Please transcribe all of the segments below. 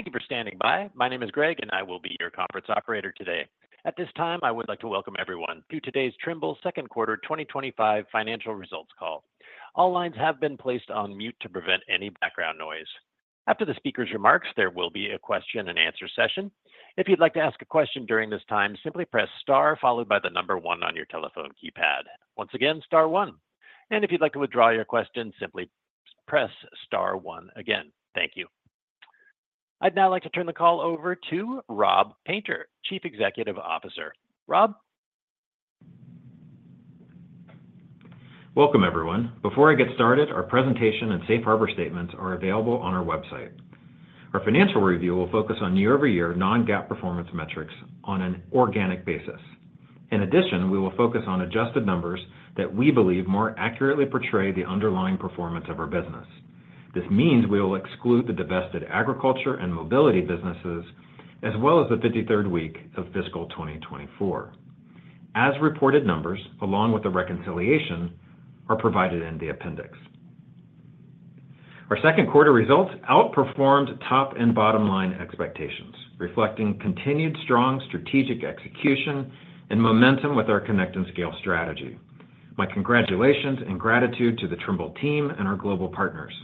Thank you for standing by my name is Greg and I will be your conference operator today. At this time, I would like to welcome everyone to today's Trimble's second quarter 2025 financial results call. All lines have been placed on mute to prevent any background noise, after the speaker's remarks, there will be a question-and answer-session. If you'd like to ask a question during this time, simply press star followed by the number one on your telephone keypad. Once again, star one. If you would like to withdraw your question, simply press star one again. Thank you. I'd now like to turn the call over to Rob Painter, Chief Executive Officer. Rob. Welcome everyone. Before I get started, our presentation and safe harbor statements are available on our website. Our financial review will focus on year-over-year non-GAAP performance metrics on an organic basis. In addition, we will focus on adjusted numbers that we believe more accurately portray the underlying performance of our business. This means we will exclude the divested agriculture and mobility businesses as well as the 53rd week of fiscal 2024. As reported numbers along with the reconciliation are provided in the appendix. Our second quarter results outperformed top and bottom line expectations, reflecting continued strong strategic execution and momentum with our Connect and Scale strategy. My congratulations and gratitude to the Trimble team and our global partners.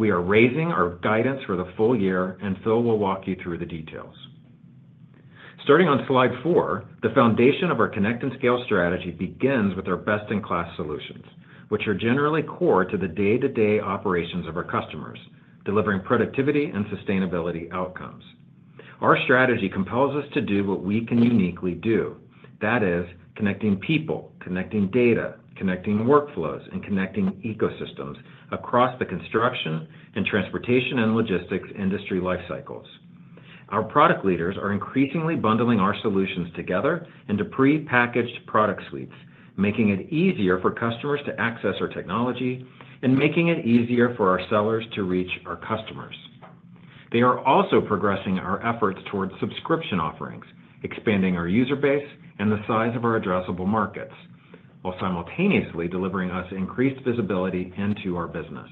We are raising our guidance for the full year, and Phil will walk you through the details. Starting on slide four. The foundation of our Connect and Scale strategy begins with our best-in-class solutions, which are generally core to the day-to-day operations of our customers, delivering productivity and sustainability outcomes. Our strategy compels us to do what we can uniquely do, that is, connecting people, connecting data, connecting workflows, and connecting ecosystems across the construction and transportation and logistics industry lifecycles. Our product leaders are increasingly bundling our solutions together into prepackaged product suites, making it easier for customers to access our technology and making it easier for our sellers to reach our customers. They are also progressing our efforts towards subscription offerings, expanding our user base and the size of our addressable markets while simultaneously delivering us increased visibility into our business.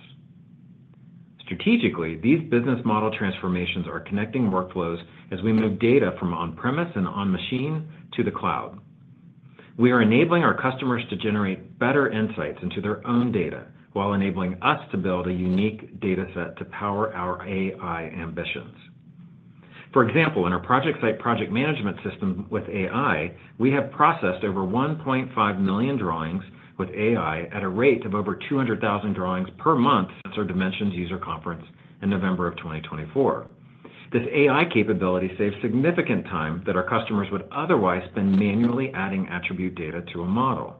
Strategically, these business model transformations are connecting workflows as we move data from on-premise and on-machine to the cloud. We are enabling our customers to generate better insights into their own data while enabling us to build a unique data set to power our AI ambitions. For example, in our Project Site project management system with AI, we have processed over 1.5 million drawings with AI at a rate of over 200,000 drawings per month since our Dimensions User Conference in November of 2024. This AI capability saves significant time that our customers would otherwise spend manually adding attribute data to a model.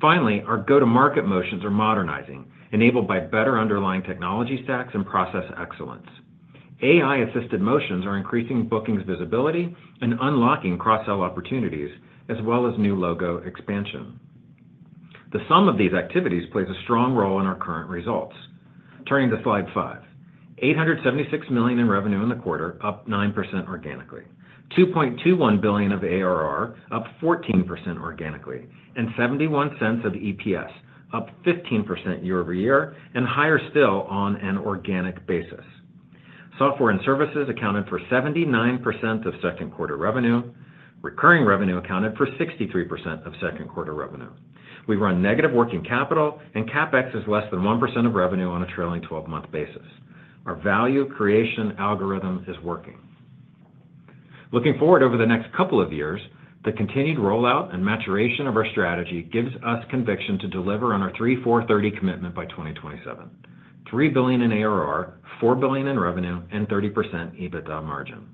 Finally, our go-to-market motions are modernizing, enabled by better underlying technology stacks and process excellence. AI assisted motions are increasing bookings, visibility, and unlocking cross sell opportunities as well as new logo expansion. The sum of these activities plays a strong role in our current results. Turning to slide 5. $876 million in revenue in the quarter, up 9% organically, $2.21 billion of ARR, up 14% organically, and $0.71 of EPS, up 15% year over year and higher still on an organic basis. Software and services accounted for 79% of second quarter revenue. Recurring revenue accounted for 63% of second quarter revenue. We run negative working capital, and CapEx is less than 1% of revenue a trailing 12-month basis. Our value creation algorithm is working. Looking forward over the next couple of years, the continued rollout and maturation of our strategy gives us conviction to deliver on our 3430 commitment by 2027: $3 billion in ARR, $4 billion in revenue, and 30% EBITDA margin.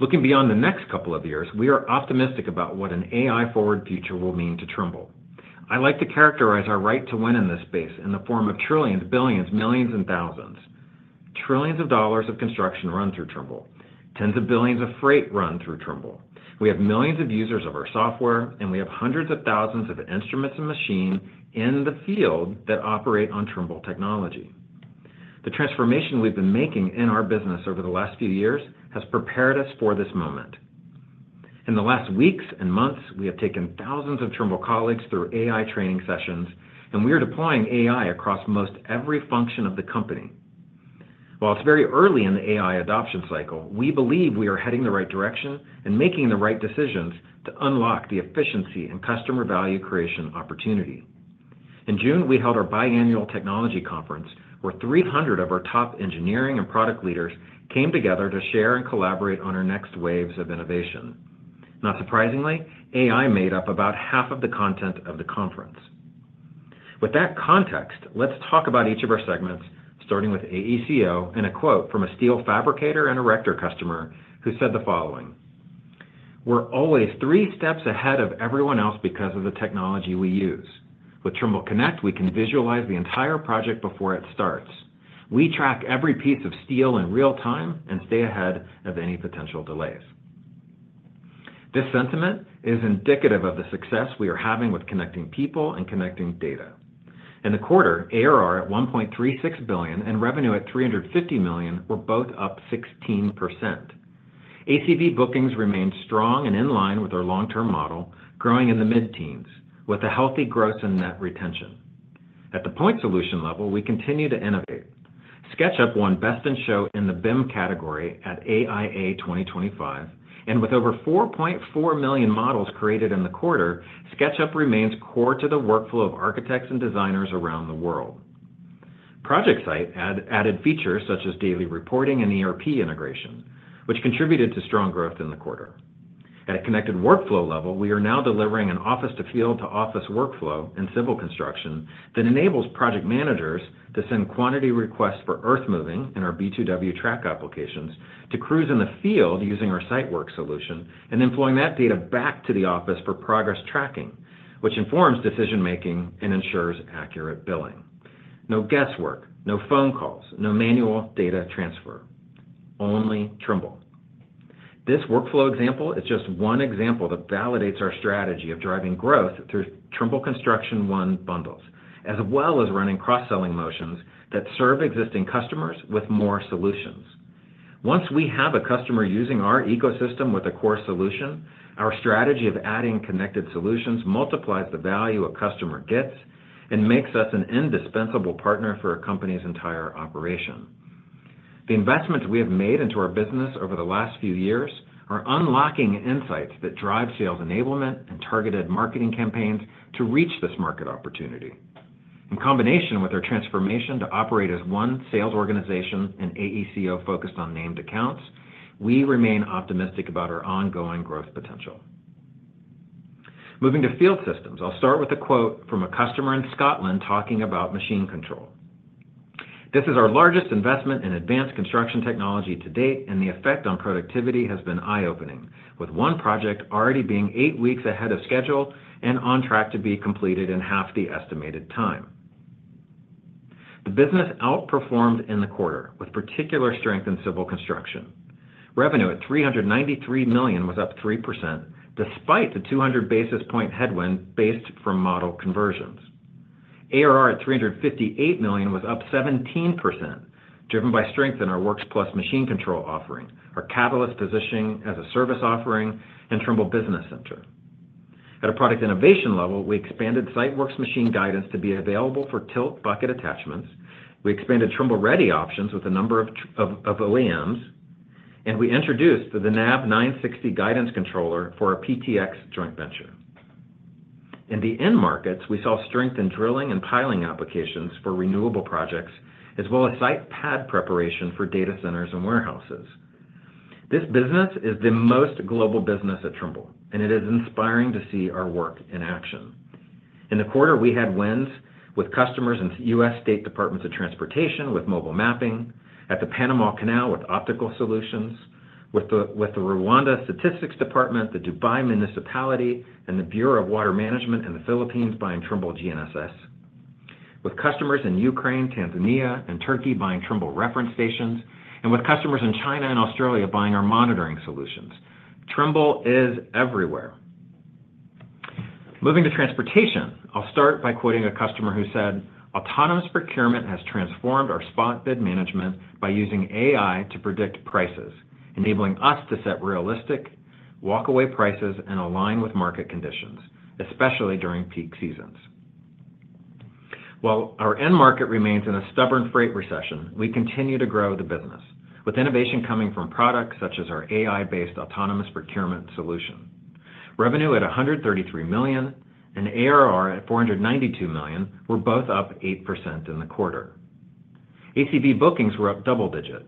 Looking beyond the next couple of years, we are optimistic about what an AI-forward future will mean to Trimble. I like to characterize our right to win in this space in the form of trillions, billions, millions, and thousands: trillions of dollars of construction run through Trimble, tens of billions of freight run through Trimble, we have millions of users of our software, and we have hundreds of thousands of instruments and machines in the field that operate on Trimble technology. The transformation we've been making in our business over the last few years has prepared us for this moment. In the last weeks and months, we have taken thousands of Trimble colleagues through AI training sessions, and we are deploying AI across most every function of the company. While it's very early in the AI adoption cycle, we believe we are heading the right direction and making the right decisions to unlock the efficiency and customer value creation opportunity. In June, we held our biannual technology conference where 300 of our top engineering and product leaders came together to share and collaborate on our next waves of innovation. Not surprisingly, AI made up about half of the content of the conference. With that context, let's talk about each of our segments, starting with AECO and a quote from a steel fabricator and erector customer who said the following. "We're always three steps ahead of everyone else because of the technology we use. With Trimble Connect, we can visualize the entire project before it starts. We track every piece of steel in real time and stay ahead of any potential delays." This sentiment is indicative of the success we are having with connecting people and connecting data. In the quarter, ARR at $1.36 billion and revenue at $350 million were both up 16%. ACV bookings remained strong and in line with our long-term model, growing in the mid-teens with a healthy gross and net retention. At the point solution level, we continue to innovate. SketchUp won Best in Show in the BIM category at AIA 2025, and with over 4.4 million models created in the quarter, SketchUp remains core to the workflow of architects and designers around the world. Project Site added features such as daily reporting and ERP integration, which contributed to strong growth in the quarter. At a connected workflow level, we are now delivering an office-to-field-to-office workflow in civil construction that enables project managers to send quantity requests for earthmoving in our B2W Track applications to crews in the field using our Sitework solution and employing that data back to the office for progress tracking, which informs decision making and ensures accurate billing. No guesswork, no phone calls, no manual data transfer, only Trimble. This workflow example is just one example that validates our strategy of driving growth through Trimble Construction One bundles as well as running cross-sell motions that serve existing customers with more solutions. Once we have a customer using our ecosystem with a core solution, our strategy of adding connected solutions multiplies the value a customer gets and makes us an indispensable partner for a company's entire operation. The investments we have made into our business over the last few years are unlocking insights that drive sales enablement and targeted marketing campaigns to reach this market opportunity. In combination with our transformation to operate as one sales organization and AECO focused on named accounts, we remain optimistic about our ongoing growth potential. Moving to Field Systems, I'll start with a quote from a customer in Scotland talking about machine control: "This is our largest investment in advanced construction technology to date and the effect on productivity has been eye opening. With one project already being eight weeks ahead of schedule and on track to be completed in half the estimated time." The business outperformed in the quarter with particular strength in civil construction. Revenue at $393 million was up 3% despite the 200 basis point headwind from model conversions. ARR at $358 million was up 17% driven by strength in our Works Plus machine control offering, our catalyst positioning as a service offering, and Trimble Business Center. At a product innovation level, we expanded Siteworks machine guidance to be available for tilt bucket attachments. We expanded Trimble Ready options with a number of OEMs, and we introduced the NAV 960 guidance controller for a PTX joint venture. In the end markets, we saw strength in drilling and piling applications for renewable projects as well as site pad preparation for data centers and warehouses. This business is the most global business at Trimble and it is inspiring to see our work in action. In the quarter, we had wins with customers in U.S. state departments of Transportation with mobile mapping, at the Panama Canal with optical solutions, with the Rwanda Statistics Department, the Dubai Municipality, and the Bureau of Water Management in the Philippines buying Trimble GNSS, with customers in Ukraine, Tanzania, and Turkey buying Trimble Reference stations, and with customers in China and Australia buying our monitoring solutions. Trimble is everywhere. Moving to transportation, I'll start by quoting a customer who said, "Autonomous procurement has transformed our spot bid management by using AI to predict prices, enabling us to set realistic walk away prices and align with market conditions, especially during peak seasons." While our end market remains in a stubborn freight recession, we continue to grow the business with innovation coming from products such as our AI-based autonomous procurement solution. Revenue at $133 million and ARR at $492 million were both up 8% in the quarter. ACV bookings were up double digit.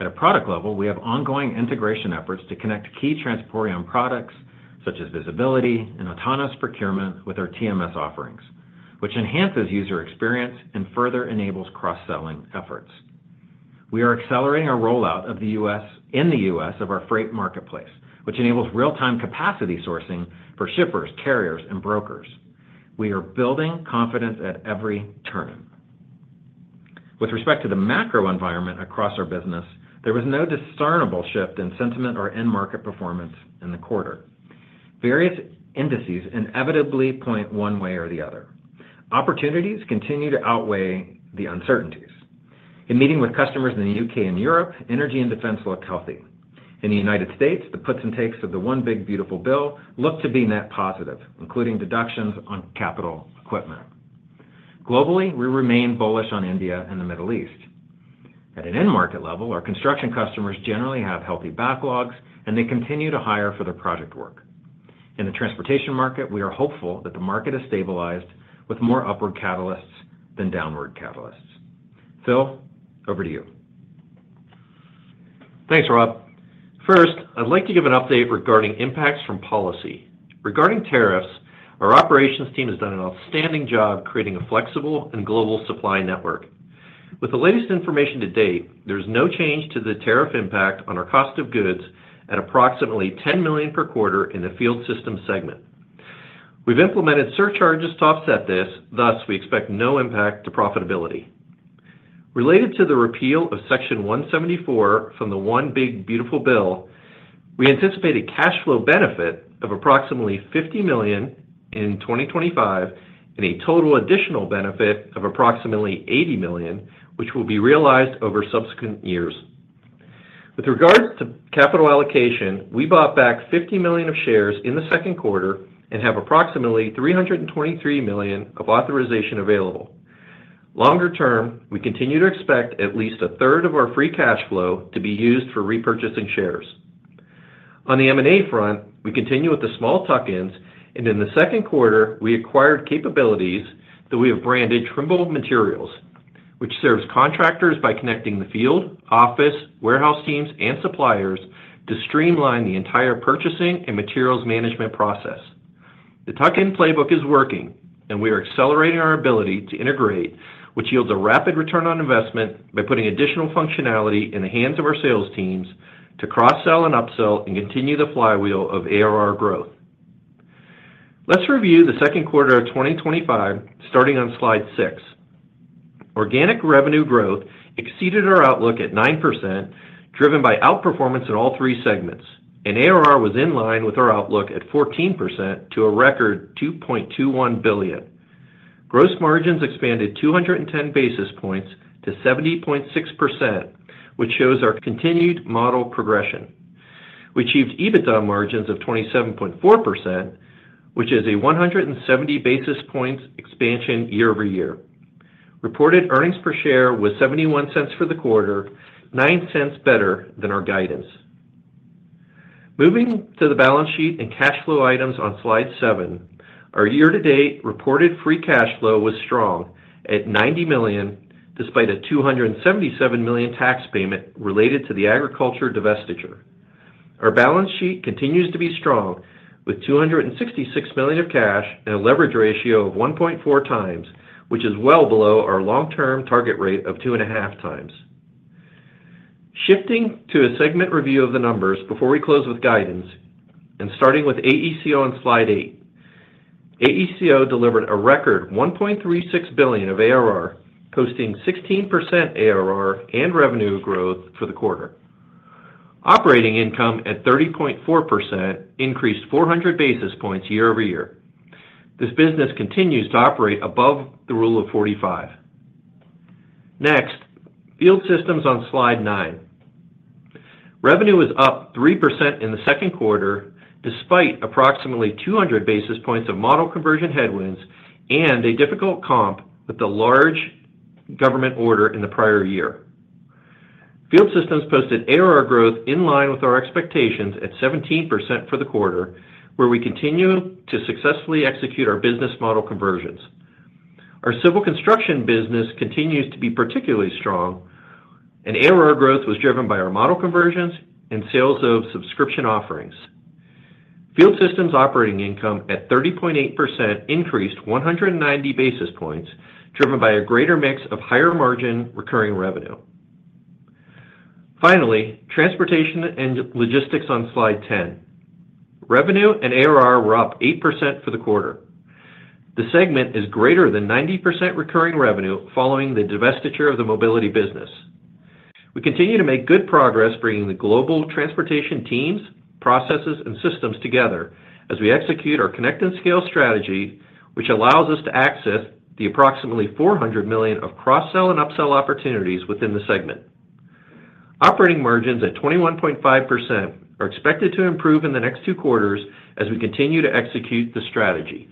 At a product level, we have ongoing integration efforts to connect key transportation products such as visibility and autonomous procurement with our TMS offerings, which enhances user experience and further enables cross-sell efforts. We are accelerating our rollout in the U.S. of our freight marketplace, which enables real-time capacity sourcing for shippers, carriers, and brokers. We are building confidence at every turn. With respect to the macro environment across our business, there was no discernible shift in sentiment or end market performance in the quarter. Various indices inevitably point one way or the other. Opportunities continue to outweigh the uncertainties. In meeting with customers in the UK and Europe, energy and defense look healthy. In the United States, the puts and takes of the one big beautiful bill look to be net positive, including deductions on capital equipment. Globally, we remain bullish on India and the Middle East. At an end market level, our construction customers generally have healthy backlogs and they continue to hire for their project work. In the transportation market, we are hopeful that the market has stabilized with more upward catalysts than downward catalysts. Phil, over to you. Thanks Rob. First, I'd like to give an update regarding impacts from policy. Regarding tariffs, our operations team has done an outstanding job creating a flexible and global supply network. With the latest information to date, there's no change to the tariff impact on our cost of goods at approximately $10 million per quarter. In the field systems segment, we've implemented surcharges to offset this. Thus, we expect no impact to profitability related to the repeal of Section 174 from the one big beautiful bill, we anticipate a cash flow benefit of approximately $50 million in 2025 and a total additional benefit of approximately $80 million which will be realized over subsequent years. With regards to capital allocation, we bought back $50 million of shares in the second quarter and have approximately $323 million of authorization available. Longer-term, we continue to expect at least 1/3 of our free cash flow to be used for repurchasing shares. On the M&A front, we continue with the small tuck-ins and in the second quarter we acquired capabilities that we have branded Trimble Materials, which serves contractors by connecting the field operations, office, warehouse teams, and suppliers to streamline the entire purchasing and materials management process. The tuck-in playbook is working and we are accelerating our ability to integrate, which yields a rapid return on investment by putting additional functionality in the hands of our sales teams to cross-sell and upsell and continue the flywheel of ARR growth. Let's review the second quarter of 2025, starting on Slide 6. Organic revenue growth exceeded our outlook at 9% driven by outperformance in all three segments, and ARR was in line with our outlook at 14% to a record $2.21 billion. Gross margins expanded 210 basis points to 70.6%, which shows our continued model progression. We achieved EBITDA margins of 27.4%, which is a 170 basis points expansion year-over-year. Reported earnings per share was $0.71 for the quarter, $0.09 better than our guidance. Moving to the balance sheet and cash flow items on Slide 7, our year-to-date reported free cash flow was strong at $90 million despite a $277 million tax payment related to the agriculture divestiture. Our balance sheet continues to be strong with $266 million of cash and a leverage ratio of 1.4x, which is well below our long-term target rate of 2.5x. Shifting to a segment review of the numbers before we close with guidance and starting with AECO on slide 8, AECO delivered a record $1.36 billion of ARR, posting 16% ARR and revenue growth for the quarter. Operating income at 30.4% increased 400 basis points year-over-year. This business continues to operate above The Rule of 45. Next, Field Systems on slide 9, revenue was up 3% in the second quarter despite approximately 200 basis points of model conversion headwinds and a difficult comp with the large government order in the prior year. Field Systems posted ARR growth in line with our expectations at 17% for the quarter where we continue to successfully execute our business model conversions. Our civil construction business continues to be particularly strong and ARR growth was driven by our model conversions and sales of subscription offerings. Field Systems operating income at 30.8% increased 190 basis points, driven by a greater mix of higher margin recurring revenue. Finally, transportation and logistics on slide 10, revenue and ARR were up 8% for the quarter. The segment is greater than 90% recurring revenue following the divestiture of the mobility business, we continue to make good progress bringing the global transportation teams, processes, and systems together as we execute our connect and scale strategy, which allows us to access the approximately $400 million of cross-sell and upsell opportunities within the segment. Operating margins at 21.5% are expected to improve in the next two quarters. As we continue to execute the strategy.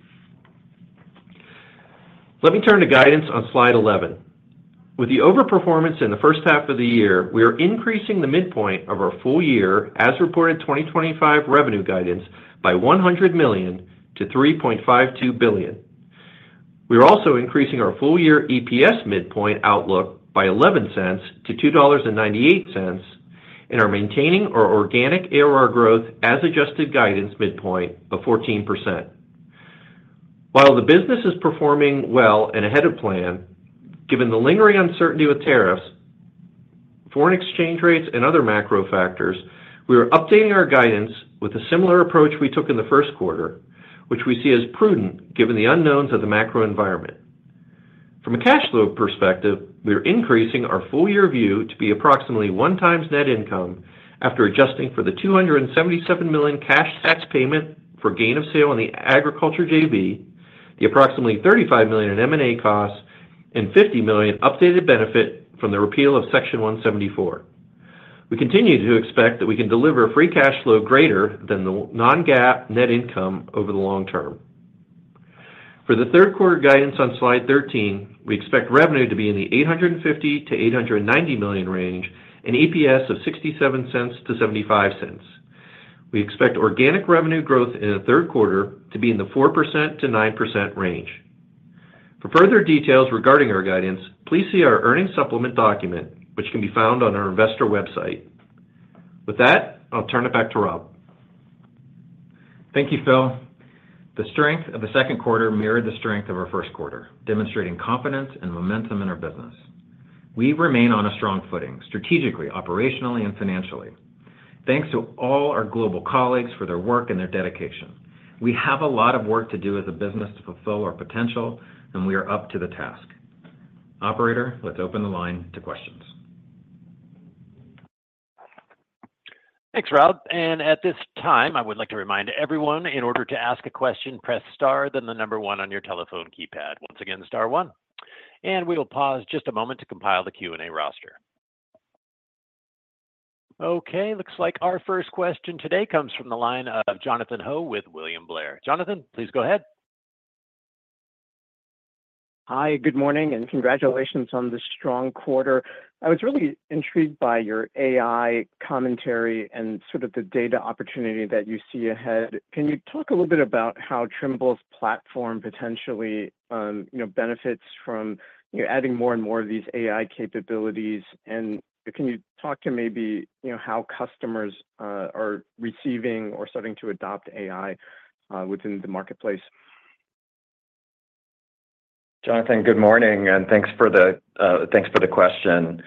Let me turn to guidance on slide 11. With the overperformance in the first half of the year, we are increasing the midpoint of our full year as reported 2025 revenue guidance by $100 million to $3.52 billion. We are also increasing our full year EPS midpoint outlook by $0.11 to $2.98 and are maintaining our organic ARR growth as adjusted guidance midpoint of 14%. While the business is performing well and ahead of plan, given the lingering uncertainty with tariffs, foreign exchange rates, and other macro factors, we are updating our guidance with a similar approach we took in the first quarter, which we see as prudent given the unknowns of the macro environment. From a cash flow perspective, we are increasing our full year view to be approximately 1x net income after adjusting for the $277 million cash tax payment for gain of sale on the agriculture JV, the approximately $35 million in M&A costs and $50 million updated benefit from the repeal of Section 174. We continue to expect that we can deliver free cash flow greater than the non-GAAP net income over the long-term. For the third quarter guidance on slide 13, we expect revenue to be in the $850-$890 million range and EPS of $0.67-$0.75. We expect organic revenue growth in the third quarter to be in the 4%-9% range. For further details regarding our guidance, please see our earnings supplement document which can be found on our investor website. With that, I'll turn it back to Rob. Thank you, Phil. The strength of the second quarter mirrored the strength of our first quarter, demonstrating confidence and momentum in our business. We remain on a strong footing strategically, operationally, and financially. Thanks to all our global colleagues for their work and their dedication. We have a lot of work to do as a business to fulfill our potential, and we are up to the task. Operator, let's open the line to questions. Thanks, Rob. At this time, I would like to remind everyone, in order to ask a question, press star, then the number one on your telephone keypad. Once again, star one. We will pause just a moment to compile the Q&A roster. Okay, looks like our first question today comes from the line of Jonathan Ho with William Blair. Jonathan, please go ahead. Hi, good morning, and congratulations on this strong quarter. I was really intrigued by your AI commentary and sort of the data opportunity that you see ahead. Can you talk a little bit about how Trimble's platform potentially benefits from adding more and more of these AI capabilities? Can you talk to maybe how customers are receiving or starting to adopt AI within the marketplace? Jonathan, good morning and thanks for the question.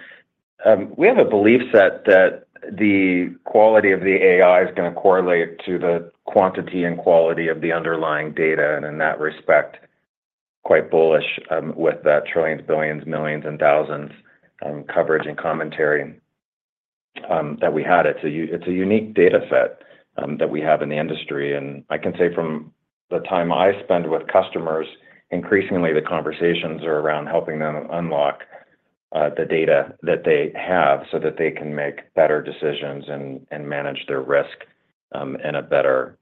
We have a belief set that the quality of the AI is going to correlate to the quantity and quality of the underlying data. In that respect, quite bullish with the trillions, billions, millions, and thousands coverage and commentary that we had. It's a unique data set that we have in the industry, and I can say from the time I spend with customers, increasingly the conversations are around helping them unlock the data that they have so that they can make better decisions and manage their risk in a better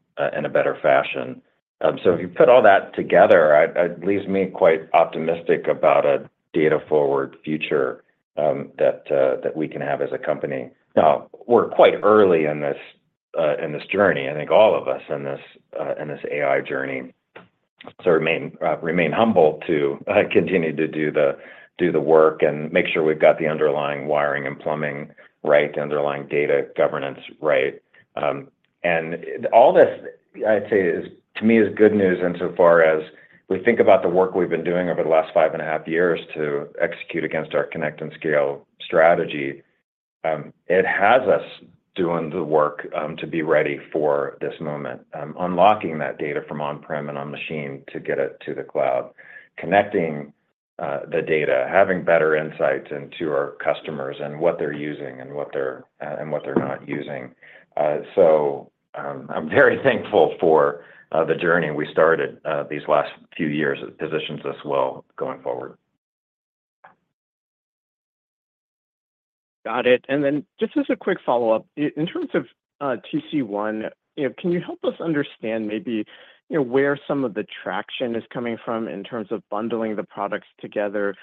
fashion. If you put all that together, it leaves me quite optimistic about a data forward future that we can have as a company. Now, we're quite early in this journey. I think all of us in this AI journey remain humble to continue to do the work and make sure we've got the underlying wiring and plumbing right, underlying data governance right. All this I'd say is to me good news insofar as we think about the work we've been doing over the last five and a half years to execute against our connect and scale strategy. It has us doing the work to be ready for this moment, unlocking that data from on prem and on machine to get it to the cloud, connecting the data, having better insights into our customers and what they're using and what they're not using. I'm very thankful for the journey we started these last few years. It positions us well going forward. Got it. Just as a quick follow up in terms of TC1, can you help us understand maybe where some of the traction is coming from in terms of bundling the products together?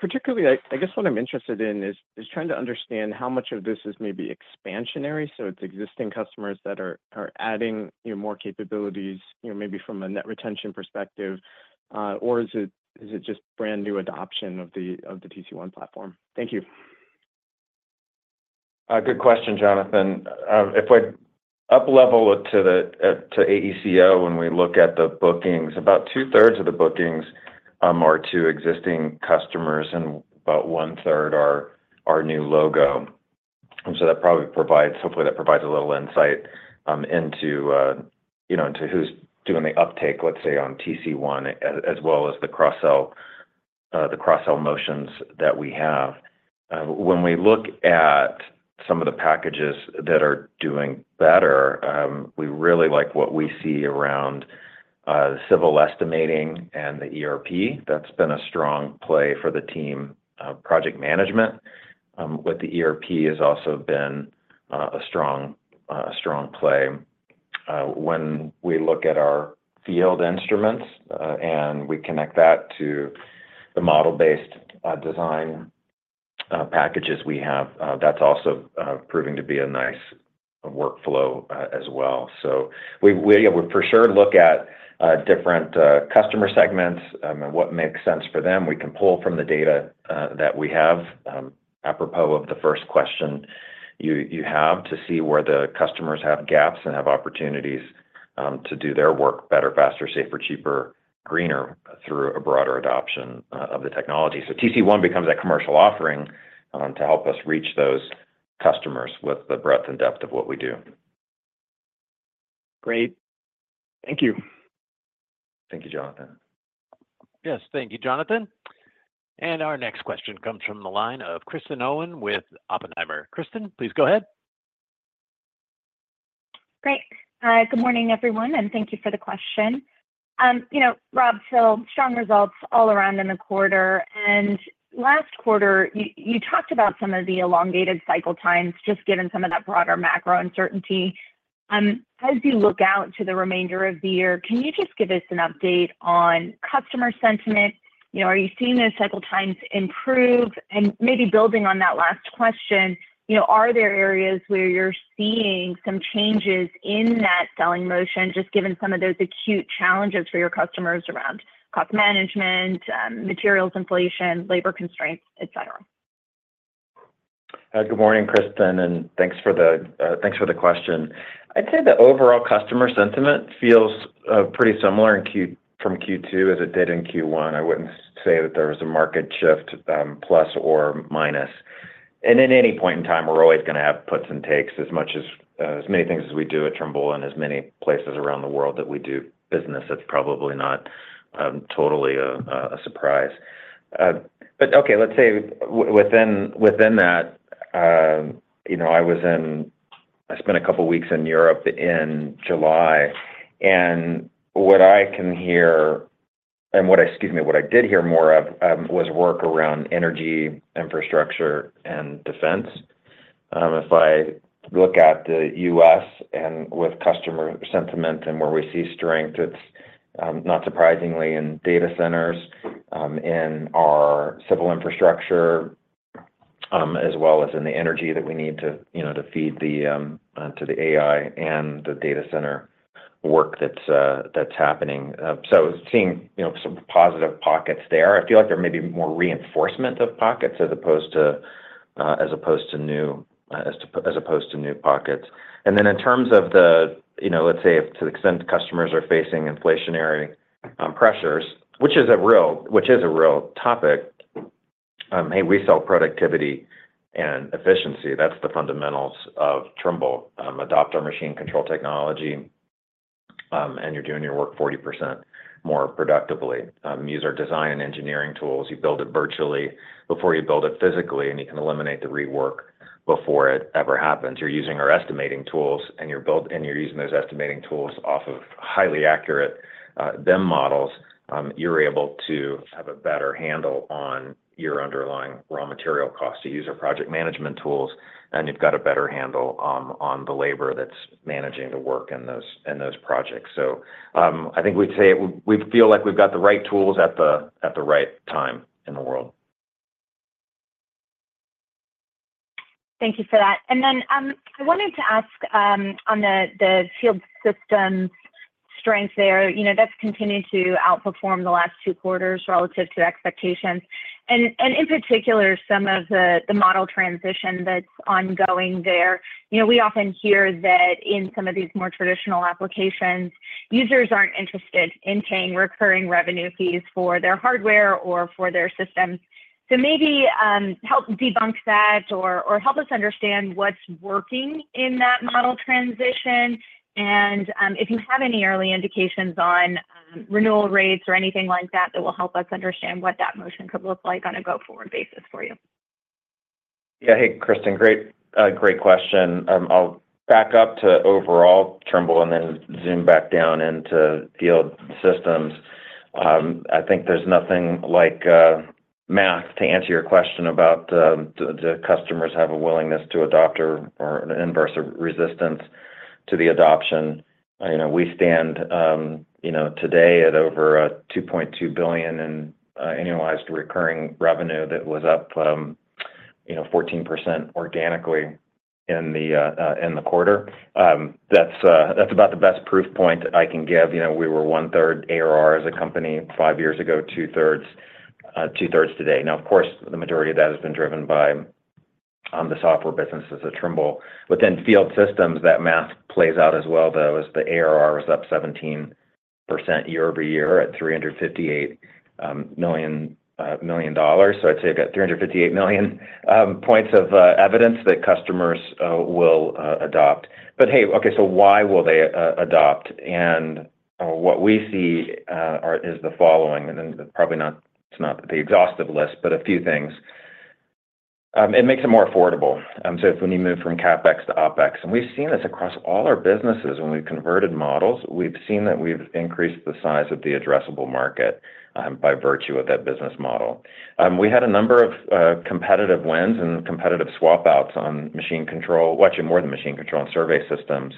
Particularly, I guess what I'm interested in is, trying to understand how much of this is maybe expansionary, so it's existing customers that are adding more capabilities maybe from a net retention perspective, or is it just brand new adoption of the TC1 platform? Thank you. Good question, Jonathan. If I up level to the AECO, when we look at the bookings, about 2/3 of the bookings are to existing customers and about 1/3 are new logo. That probably provides, hopefully that provides a little insight into who's doing the uptake, let's say on TC1 as well as the cross-sell motions that we have. When we look at some of the packages that are doing better, we really like what we see around civil estimating and the ERP. That's been a strong play for the team. Project management with the ERP has also been a strong play. When we look at our field instruments and we connect that to the model-based design packages we have, that's also proving to be a nice workflow as well. We would for sure look at different customer segments and what makes sense for them. We can pull from the data that we have. Apropos of the first question, you have to see where the customers have gaps and have opportunities to do their work better, faster, safer, cheaper, greener through a broader adoption of the technology. TC1 becomes a commercial offering to help us reach those customers with the breadth and depth of what we do. Great. Thank you. Thank you, Jonathan. Yes, thank you, Jonathan. Our next question comes from the line of Kristen Owen with Oppenheimer. Kristen, please go ahead. Great. Good morning everyone and thank you for the question. You know Rob, strong results all around in the quarter and last quarter you talked about some of the elongated cycle times. Just given some of that broader macro uncertainty as you look out to the remainder of the year, can you just give us an update on customer sentiment? Are you seeing those cycle times improve and maybe building on that last question, are there areas where you're seeing some changes in that selling motion? Just given some of those acute challenges for your customers around cost management, materials, inflation, labor constraints, etc. Good morning, Kristen, and thanks for the question. I'd say the overall customer sentiment feels pretty similar from Q2, as it did in Q1. I wouldn't say that there was a market shift, plus or minus. At any point in time, we're always going to have puts and takes as much as as many things as we do at Trimble and as many places around the world that we do business. That's probably not totally a surprise. Within that, I spent a couple weeks in Europe in July and what I did hear more of was work around energy infrastructure and defense. If I look at the U.S. and with customer sentiment and where we see strength, it's not surprisingly in data centers in our civil infrastructure as well as in the energy that we need to feed to the AI and the data center work that's happening. Seeing some positive pockets there, I feel like there may be more reinforcement of pockets as opposed to new pockets. In terms of the extent customers are facing inflationary pressures, which is a real topic, hey, we sell productivity and efficiency. That's the fundamentals of Trimble. Adopt our machine control technology and you're doing your work 40% more productively. Use our design and engineering tools. You build it virtually before you build it physically and you can eliminate the rework before it ever happens. You're using our estimating tools and you're using those estimating tools off of highly accurate BIM models. You're able to have a better handle on your underlying raw material cost. Use our project management tools, and you've got a better handle on the labor that's managing the work and those projects. I think we'd say we feel like we've got the right tools at the right time in the world. Thank you for that. I wanted to ask on the field system strength there, you know, that's continued to outperform the last two quarters relative to expectations, and in particular some of the model transition that's ongoing there. We often hear that in some of these more traditional applications, users aren't interested in paying recurring revenue fees for their hardware or for their systems. Maybe help debunk that or help us understand what's working in that model transition. If you have any early indications on renewal rates or anything like that, that will help us understand what that motion could look like on a go forward basis for you. Yeah. Hey Kristen, great question. I'll back up to overall Trimble and then zoom back down into Field Systems. I think there's nothing like math to answer your question about the customers have a willingness to adopt or inverse a resistance to the adoption. You know, we stand today at over $2.2 billion in annualized recurring revenue. That was up 14% organically in the quarter. That's about the best proof point I can give. You know, we were 1/3 ARR as a company five years ago, 2/3 today. Now, of course, the majority of that has been driven by the software businesses at Trimble. Within Field Systems, that math plays out as well though as the ARR is up 17% year-over-year at $358 million. So I'd say you've got 358 million points of evidence that customers will adopt. Okay, so why will they adopt? What we see is the following, and probably not, it's not the exhaustive list, but a few things. It makes it more affordable. If, when you move from CapEx to OpEx, and we've seen this across all our businesses, when we've converted models, we've seen that we've increased the size of the addressable market by virtue of that business model. We had a number of competitive wins and competitive swap outs on machine control, watching more than machine control and survey systems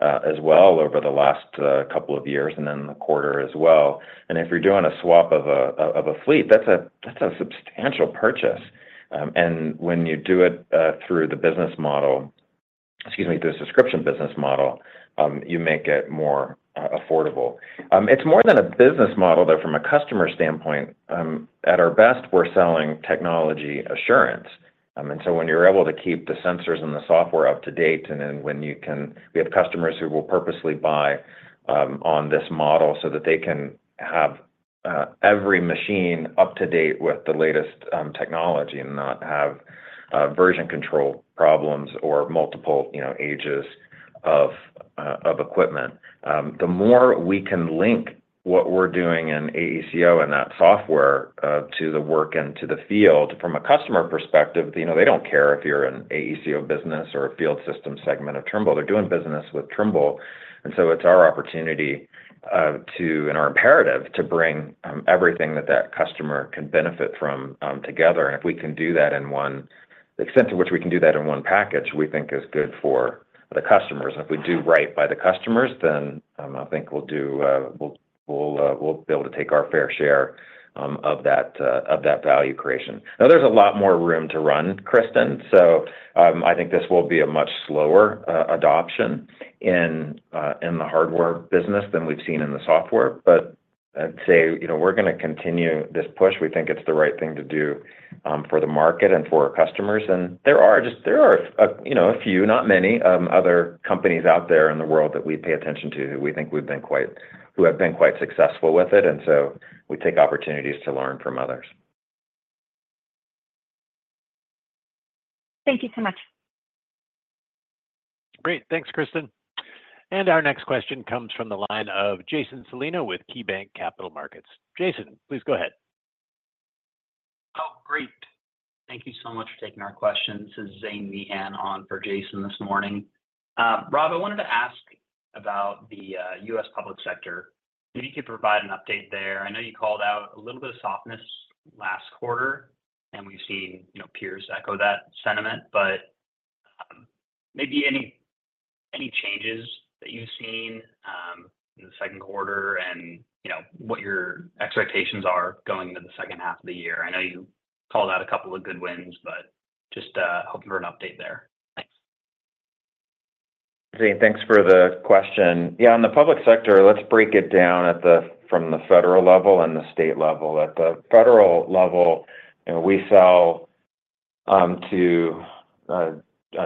as well over the last couple of years and then the quarter as well. If you're doing a swap of a fleet, that's a substantial purchase. When you do it through the business model, excuse me, through a subscription business model, you make it more affordable. It's more than a business model though. From a customer standpoint, at our best, we're selling technology assurance. When you're able to keep the sensors and the software up to date, and then when you can, we have customers who will purposely buy on this model so that they can have every machine up to date with the latest technology and not have version control problems or multiple ages of equipment. The more we can link what we're doing in AECO and that software to the work and to the field, from a customer perspective, they don't care if you're an AECO business or a Field System segment of Trimble. They're doing business with Trimble. It's our opportunity to, and our imperative to, bring everything that that customer can benefit from together. If we can do that in one extent to which we can do that in one package, we think is good for the customers. If we do right by the customers, then I think we'll be able to take our fair share of that value creation. Now there's a lot more room to run, Kristen. I think this will be a much slower adoption in the hardware business than we've seen in the software. I'd say, you know, we're going to continue this push. We think it's the right thing to do for the market and for our customers. There are just a few, not many other companies out there in the world that we pay attention to who we think have been quite successful with it. We take opportunities to learn from others. Thank you so much. Great. Thanks, Kristen. Our next question comes from the line of Jason Celino with KeyBanc Capital Markets. Jason, please go ahead. Oh, great. Thank you so much for taking our questions. Zane Meehan on for Jason this morning. Rob, I wanted to ask about the U.S. public sector. Maybe you could provide an update there. I know you called out a little bit of softness last quarter, and we've seen peers echo that sentiment. Maybe any changes that you've seen in the second quarter and what your expectations are going into the second half of the year, I know you called out a couple of good wins, just hoping for an update there. Zane, thanks for the question. Yeah. On the public sector, let's break it down from the federal level and the state level. At the federal level, we sell to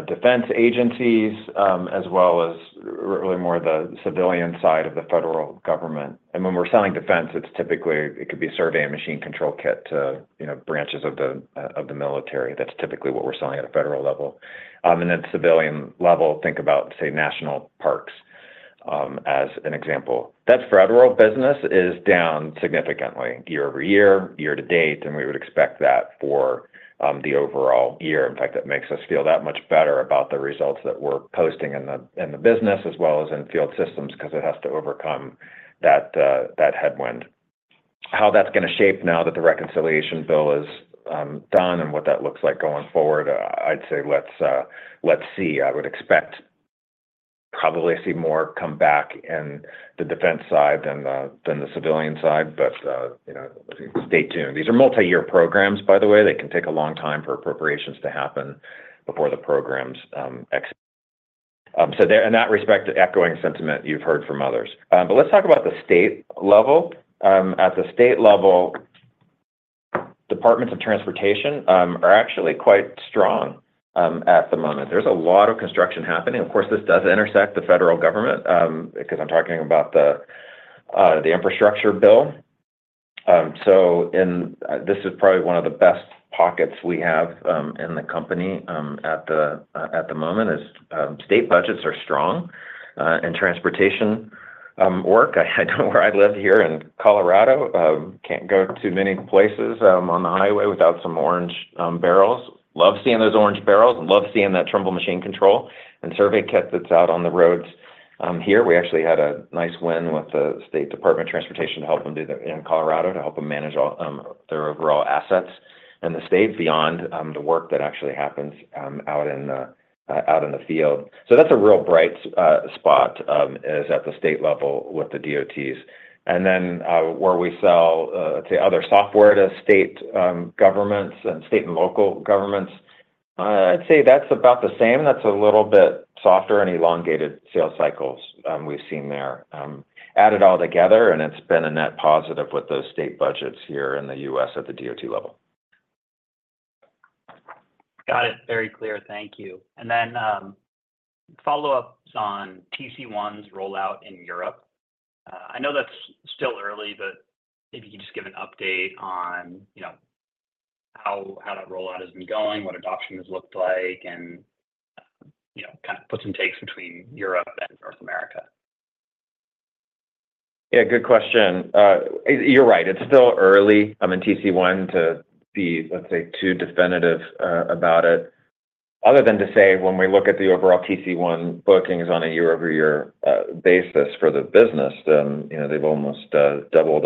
defense agencies as well as really more the civilian side of the federal government. When we're selling defense, it could be survey and machine control kit, branches of the military. That's typically what we're selling at a federal level and then civilian level. Think about, say, national parks as an example. That federal business is down significantly year-over-year, year-to-date, and we would expect that for the overall year. In fact, that makes us feel that much better about the results that we're posting in the business as well as in field systems, because it has to overcome that headwind. How that's going to shape now that the reconciliation bill is done and what that looks like going forward, I'd say let's see. I would expect probably see more come back in the defense side than the civilian side, but you know, stay tuned. These are multi-year programs, by the way. They can take a long time for appropriations to happen before the programs. In that respect, the echoing sentiment you've heard from others. Let's talk about the state level. At the state level, Departments of Transportation are actually quite strong at the moment. There's a lot of construction happening. Of course this does intersect the federal government because I'm talking about the infrastructure bill. This is probably one of the best pockets we have in the company at the moment as state budgets are strong and transportation work. I don't know where I live here in Colorado, can't go to many places on the highway without some orange barrels. Love seeing those orange barrels and love seeing that Trimble machine control and survey kit that's out on the roads Here we actually had a nice win with the state Department of Transportation to help them do that in Colorado, to help them manage their overall assets in the state beyond the work that actually happens out in the field. That's a real bright spot at the state level with the DOTs, and then where we sell other software to state governments and state and local governments. I'd say that's about the same. That's a little bit softer and elongated sales cycles we've seen there, added all together, it's been a net positive with those state budgets here in the U.S. at the DOT level. Got it. Very clear, thank you. Follow ups on TC1's rollout in Europe. I know that's still early, but maybe you can just give an update on how that rollout has been going, what adoption has looked like, and kind of puts and takes between Europe and North America. Good question. You're right, it's still early. I'm in TC1 to be, let's say, too definitive about it other than to say when we look at the overall TC1 bookings on a year-over-year basis for the business, they've almost doubled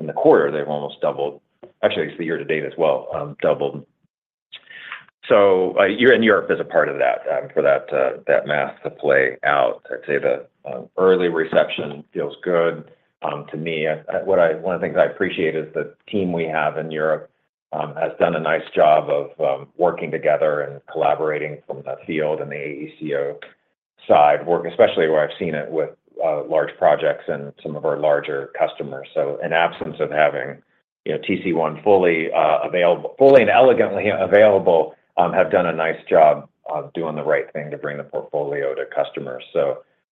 in the quarter. They've almost doubled actually year-to-date as well. So Europe is a part of that for that math to play out. I'd say the early reception feels good to me. One of the things I appreciate is the team we have in Europe has done a nice job of working together and collaborating from the field and the AECO side work, especially where I've seen it with large projects and some of our larger customers. In absence of having TC1 fully available, fully and elegantly available, they have done a nice job of doing the right thing to bring the portfolio to customers.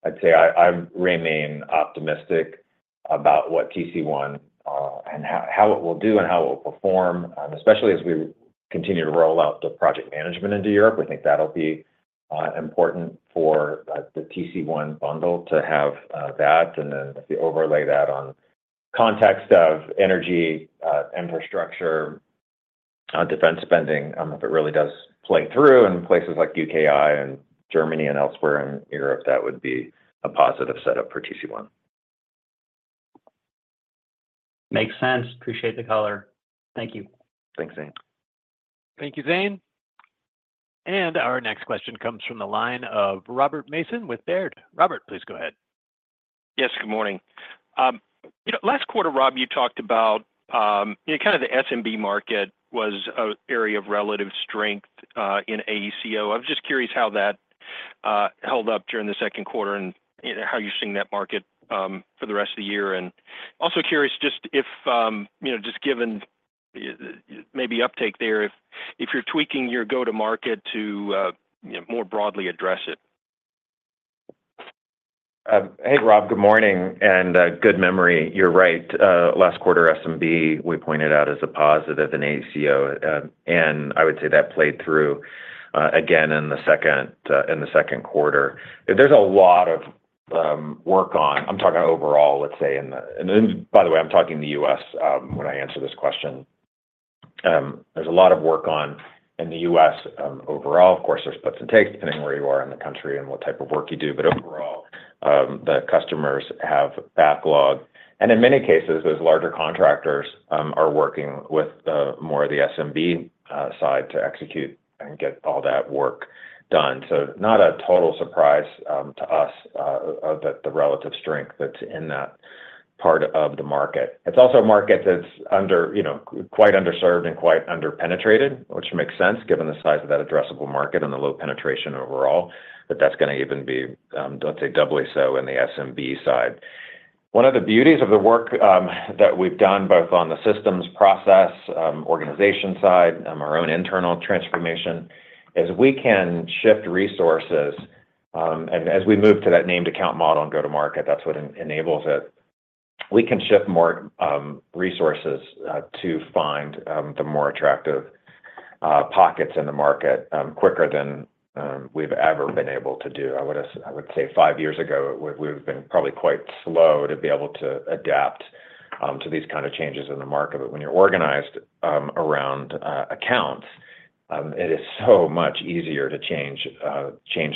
I'd say I remain optimistic about what TC1 and how it will do and how it will perform, especially as we continue to roll out the project management into Europe. We think that'll be important for the TC1 bundle to have that and then overlay that on context of energy infrastructure, defense spending, if it really does play through in places like U.K. and Germany and elsewhere in Europe, that would be a positive setup for TC1. Makes sense. Appreciate the color. Thank you. Thanks Zane. Thank you, Zane. Our next question comes from the line of Robert Mason with Baird. Rob, please go ahead. Yes, good morning. Last quarter, Rob, you talked about kind of the SMB market was an area of relative strength in AECOM. I was just curious how that held up during the second quarter and how you're seeing that market for the rest of the year. Also curious just if, given maybe uptake there, if you're tweaking your go to market to more broadly address it. Hey Rob, good morning and good memory. You're right. Last quarter S&P we pointed out as a positive in AECOM and I would say that played through again in the second quarter. There's a lot of work on, I'm talking overall, by the way, I'm talking the U.S. when I answer this question. There's a lot of work on in the U.S. overall. Of course, there's puts and takes depending where you are in the country and what type of work you do. Overall, the customers have backlog and in many cases those larger contractors are working with more of the SMB side to execute and get all that work done. Not a total surprise to us that the relative strength that's in that part of the market, it's also a market that's quite underserved and quite underpenetrated, which makes sense given the size of that addressable market and the low penetration overall. That's going to even be, let's say, doubly so in the SMB side. One of the beauties of the work that we've done both on the systems process, organization side, our own internal transformation is we can shift resources and as we move to that named account model and go to market, that's what enables it. We can shift more resources to find the more attractive pockets in the market quicker than we've ever been able to do. I would say five years ago we've been probably quite slow to be able to adapt to these kind of changes in the market. When you're organized around accounts, it is so much easier to change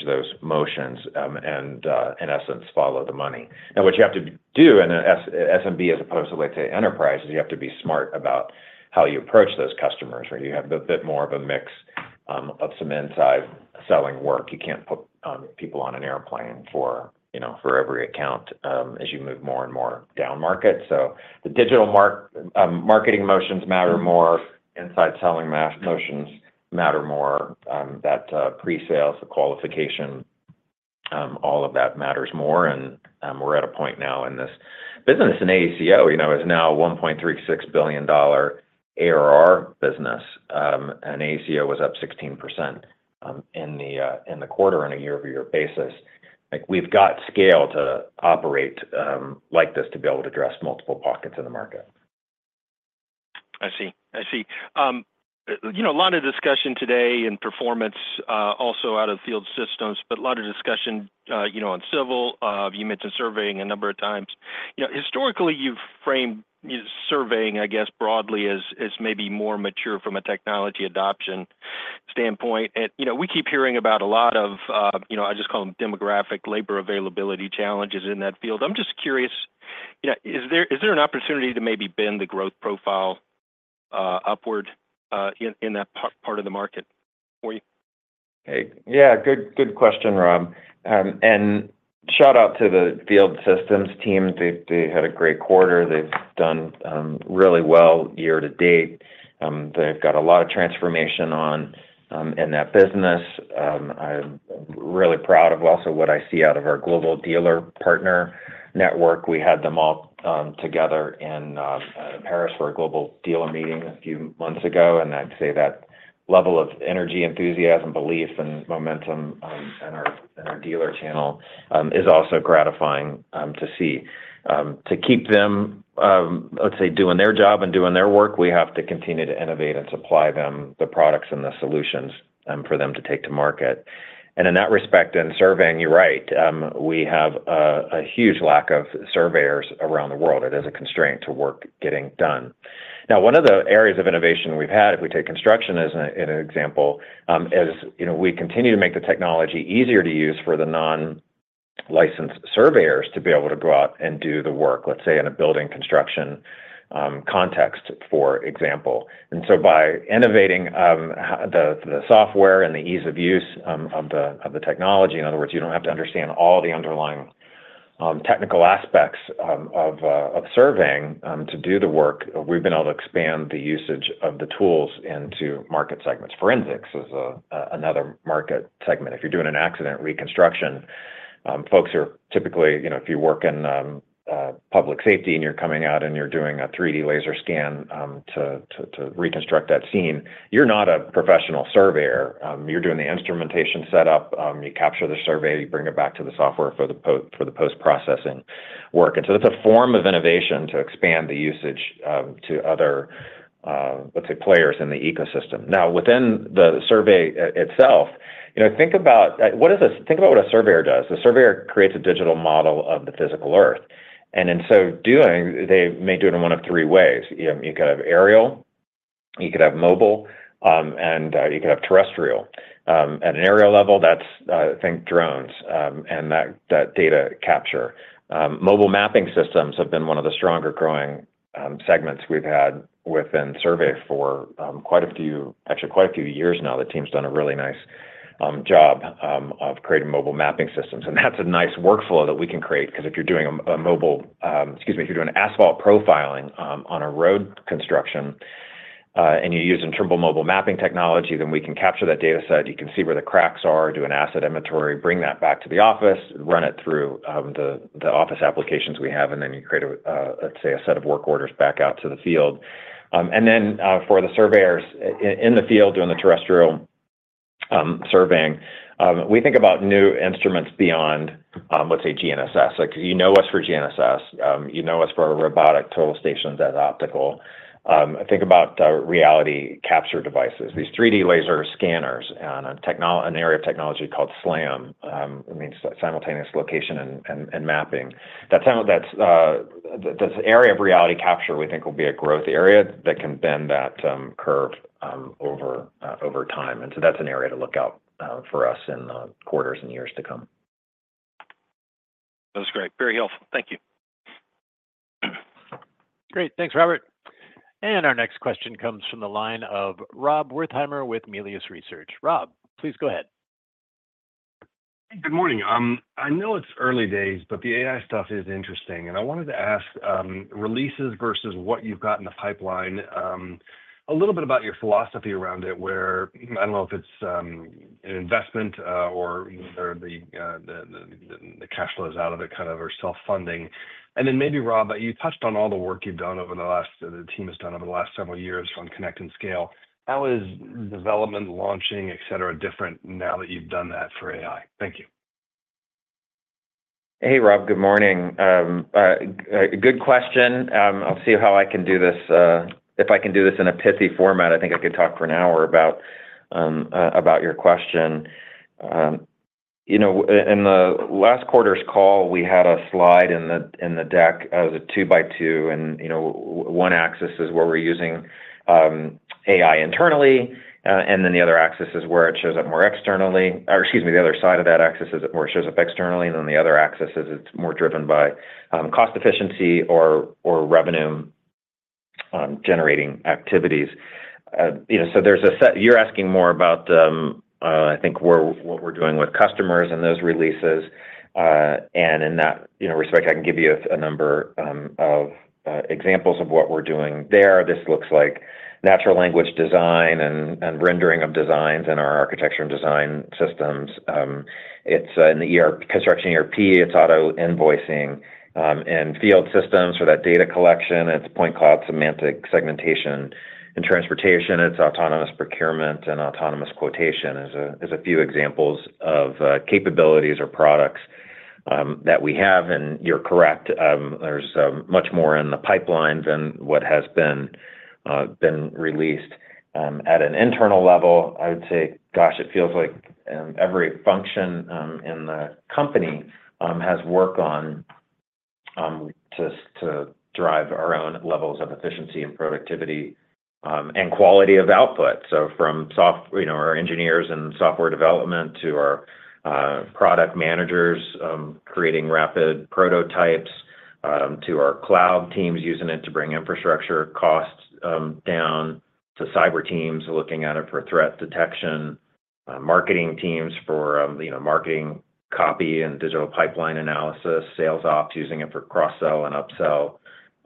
those motions and in essence follow the money. Now what you have to do in SMB as opposed to, let's say, enterprises, you have to be smart about how you approach those customers or you have a bit more of a mix of some inside selling work. You can't put people on an airplane for, you know, for every account as you move more and more down market. The digital marketing motions matter more, inside selling motions matter more. That pre sales, the qualification, all of that matters more. We're at a point now in this business in AECO, you know, is now a $1.36 billion ARR business and AECO was up 16% in the quarter on a year-over-year basis. We've got scale to operate like this to be able to address multiple pockets in the market. I see a lot of discussion today in performance, also out of the field systems, but a lot of discussion on civil. You mentioned surveying a number of times. Historically, you've framed surveying, I guess broadly, as maybe more mature from a technology adoption standpoint. We keep hearing about a lot of, I just call them demographic, labor availability challenges in that field. I'm just curious, is there an opportunity to maybe bend the growth profile upward in that part of the market? Yeah, good question Rob. Shout out to the field systems team. They had a great quarter, they've done really well year-to-date. They've got a lot of transformation on in that business, I'm really proud of also, what I see out of our global dealer partner network, we had them all together in Paris for a global dealer meeting a few months ago. I'd say that level of energy, enthusiasm, belief, and momentum in our dealer channel is also gratifying to see. To keep them, let's say, doing their job and doing their work, we have to continue to innovate and supply them the products and the solutions for them to take to market. In that respect in surveying, you're right, we have a huge lack of surveyors around the world. It is a constraint to work getting done. One of the areas of innovation we've had, if we take construction as an example, we continue to make the technology easier to use for the non-licensed surveyors to be able to go out and do the work, let's say in a building construction context, for example. By innovating the software and the ease of use of the technology, in other words, you don't have to understand all the underlying technical aspects of surveying to do the work. We've been able to expand the usage of the tools into market segments. Forensics is another market segment. If you're doing an accident reconstruction, folks are typically, you know, if you work in public safety and you're coming out and you're doing a 3D laser scan to reconstruct that scene, you're not a professional surveyor, you're doing the instrumentation setup, you capture the survey, you bring it back to the software for the post, for the post processing work. That's a form of innovation to expand the usage to other, let's say, players in the ecosystem. Within the survey itself, you know think about what a survey does. The surveyor creates a digital model of the physical earth. In so doing, they may do it in one of three ways. You could have aerial, you could have mobile, and you could have terrestrial. At an aerial level, that's think drones and that data capture. Mobile mapping systems have been one of the stronger growing segments we've had within survey for quite a few years now. The team's done a really nice job of creating mobile mapping systems, and that's a nice workflow that we can create. If you're doing asphalt profiling on a road construction and you use interval mobile mapping technology, then we can capture that data set, you can see where the cracks are, do an asset inventory, bring that back to the office, run it through the office applications we have, and then you create, let's say, a set of work orders back out to the field. For the surveyors in the field doing the terrestrial surveying, we think about new instruments beyond GNSS. You know us for GNSS, you know us for a robotic total station, that optical. Think about reality capture devices, these 3D laser scanners, and an area of technology called SLAM, which means simultaneous location and mapping. That's this area of reality capture we think will be a growth area that can bend that curve over time. That's an area to look out for us in the quarters and years to come. That's great, very helpful. Thank you. Great, thanks, Rob. Our next question comes from the line of Rob Wertheimer with Melius Research. Rob, please go ahead. Good morning. I know it's early days, but the AI stuff is interesting and I wanted to ask releases versus what you've got in the pipeline, a little bit about your philosophy around it, where I don't know if it's an investment or the cash flows out of it, kind of, or self funding. Maybe Rob, you touched on all the work you've done over the last, the team has done over the last several years on connect and scale. How is development, launching, etc., different now that you've done that for AI? Thank you. Hey Rob, good morning. Good question. I'll see how I can do this. If I can do this in a pithy format, I think I could talk for an hour about your question. In the last quarter's call we had a slide in the deck as a two by two, and one axis is where we're using AI internally and the other axis is where it shows up externally. The other axis is more driven by cost efficiency or revenue generating activities. There's a set you're asking more about, I think, what we're doing with customers and those releases. In that respect, I can give you a number of examples of what we're doing there. This looks like natural language design and rendering of designs in our architecture and design systems. It's in the construction ERP, it's auto invoicing and field systems for that data collection. It's point cloud, semantic segmentation and transportation. It's autonomous procurement and autonomous quotation as a few examples of capabilities or products that we have. You're correct, there's much more in the pipeline than what has been released. At an internal level, I would say it feels like every function in the company has work on just to drive our own levels of efficiency and productivity and quality of output. From our engineers and software development, to our product managers creating rapid prototypes, to our cloud teams using IT to bring infrastructure costs down, to cyber teams looking at it for threat detection, marketing teams for marketing copy and digital pipeline analysis, sales ops using it for cross-sell and upsell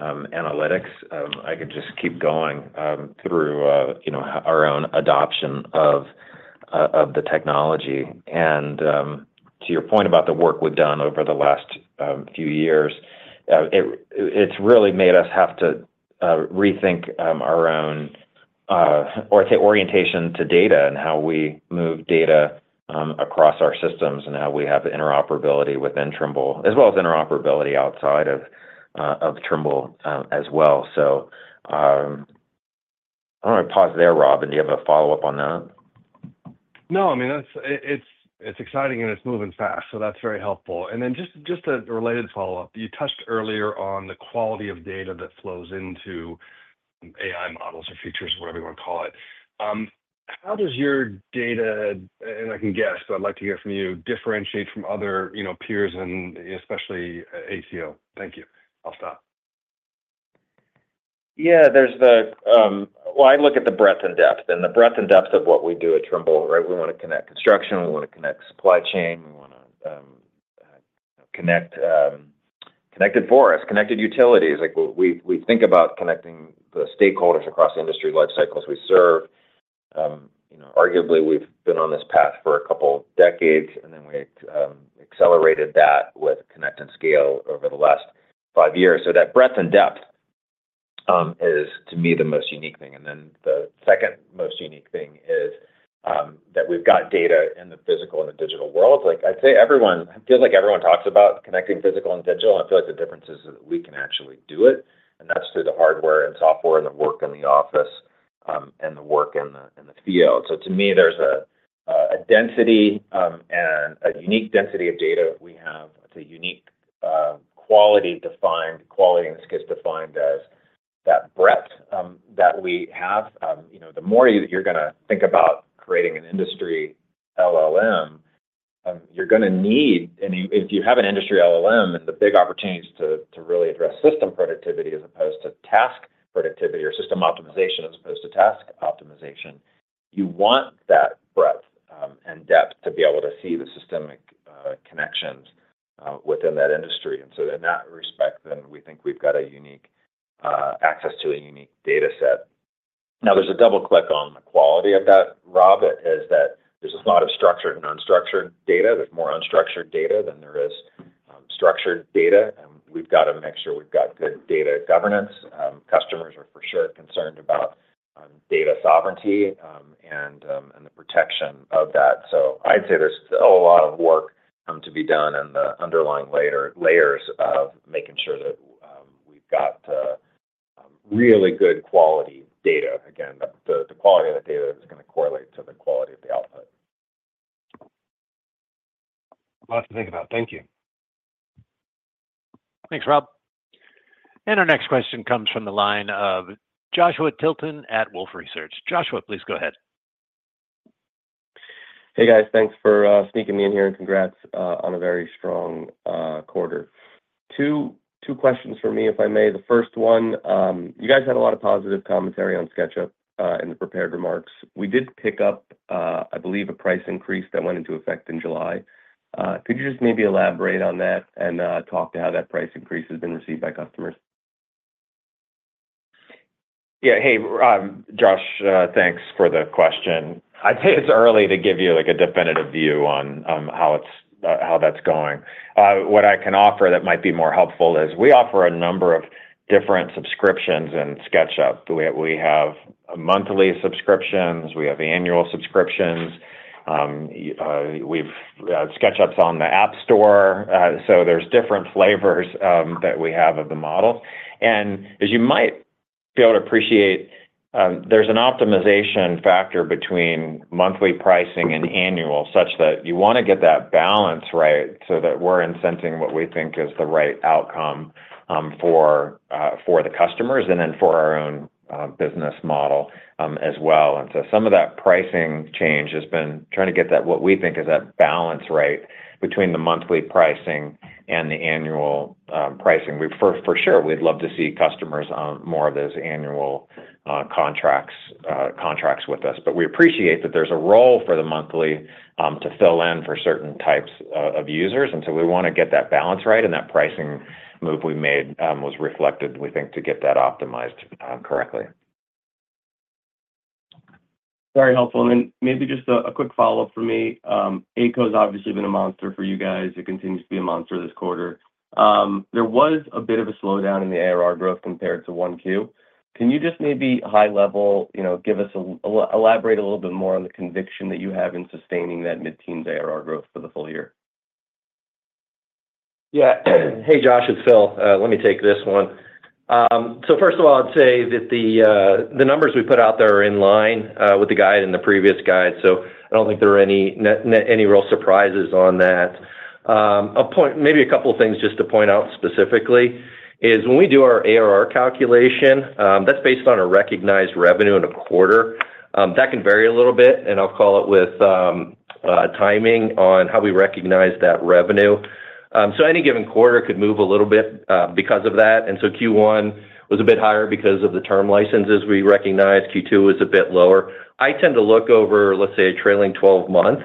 analytics, I could just keep going through our own adoption of the technology. To your point about the work we've done over the last few years, it's really made us have to rethink our own orientation to data and how we move data across our systems and how we have interoperability within Trimble as well as interoperability outside of Trimble as well. I pause there, Rob, and do you have a follow up on that? No, I mean, it's exciting and it's moving fast, that's very helpful. Just a related follow up. You touched earlier on the quality of data that flows into AI models or features, whatever you want to call it. How does your data and I can guess, but I'd like to hear from you differentiate from other, you know, peers and especially AECOM. Thank you. I'll stop. Yeah. I look at the breadth and depth. The breadth and depth of what we do at Trimble, right? We want to connect construction, we want to connect supply chain, we want to connect it to forests, connect it to utilities. We think about connecting the stakeholders across the industry lifecycles we serve. Arguably we've been on this path for a couple decades and we accelerated that with connect and scale over the last five years. That breadth and depth is to me the most unique thing. The second most unique thing is that we've got data in the physical and the digital world. I'd say everyone feels like, everyone talks about connecting physical and digital. I feel like the difference is that we can actually, we do it and that's through the hardware and software and the work in the office and the work in the field. To me, there's a density and a unique density of data we have. It's a unique quality, defined quality. This gets defined as that breadth that we have. The more you're going to think about creating an industry LLM, you're going to need, and if you have an industry LLM and the big opportunities to really address system productivity as opposed to task productivity or system optimization as opposed to task optimization, you want that breadth and depth to be able to see the systemic connections within that industry. In that respect, we think we've got a unique access to a unique data set. Now, there's a double click on the quality of that, Rob, is that there's a lot of structured and unstructured data. There's more unstructured data than there is structured data, and we've got to make sure we've got good data governance. Customers are for sure concerned about data sovereignty and the protection of that. I'd say there's still a lot of work to be done in the underlying layers of making sure that we've got really good quality data. Again, the quality of the data is going to correlate to the quality of the output. Lots to think about. Thank you. Thanks, Rob. Our next question comes from the line of Joshua Tilton at Wolfe Research.Joshua, please go ahead. Hey guys, thanks for sneaking me in here, and congrats on a very strong quarter. Two questions for me, if I may. The first one, you guys had a lot of positive commentary on SketchUp in the prepared remarks. We did pick up, I believe, a price increase that went into effect in July. Could you just maybe elaborate on that? You talk to how that price increase has been received by customers? Yeah. Hey Josh, thanks for the question. I'd say it's early to give you a definitive view on how that's going. What I can offer that might be more helpful is we offer a number of different subscriptions in SketchUp. We have monthly subscriptions, we have annual subscriptions, we've SketchUp's on the App Store. There's different flavors that we have of the model. As you might be able to appreciate, there's an optimization factor between monthly pricing and annual, such that you want to get that balance right. We're incenting what we think is the right outcome for the customers and then for our own business model as well. Some of that pricing change has been trying to get what we think is that balance right between the monthly pricing and the annual pricing. For sure, we'd love to see customers on more of those annual contracts with us. We appreciate that there's a role for the monthly to fill in for certain types of users. We want to get that balance right, and that pricing move we made was reflected, we think, to get that optimized correctly. Very helpful. Maybe just a quick follow up for me. AECOM has obviously been a monster for you guys. It continues to be a monster. This quarter, there was a bit of a slowdown in the ARR growth compared to 1Q. Can you just maybe high level give us, elaborate a little bit more on the conviction that you have in sustaining that mid-teens ARR growth for the full year. Yeah. Hey Josh, it's Phil. Let me take this one. First of all, I'd say that the numbers we put out there are in line with the guide in the previous guide. I don't think there are any real surprises on that. Maybe a couple of things just to point out specifically is when we do our ARR calculation that's based on a recognized revenue in a quarter that can vary a little bit, and I'll call it with timing on how we recognize that revenue. Any given quarter could move a little bit because of that. Q1 was a bit higher because of the term licenses we recognize. Q2 is a bit lower. I tend to look over, let's say, a trailing twelve month,